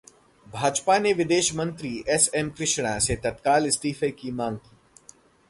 भाजपा ने विदेश मंत्री एस एम कृष्णा से तत्काल इस्तीफे की मांग की